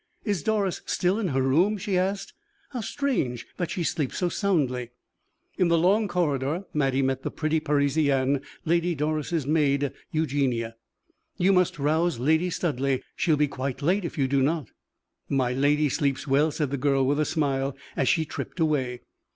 "Is Doris still in her room?" she asked. "How strange that she sleeps so soundly!" In the long corridor Mattie met the pretty Parisienne, Lady Doris' maid, Eugenie. "You must rouse Lady Studleigh; she will be quite late if you do not." "My lady sleeps well," said the girl, with a smile, as she tripped away.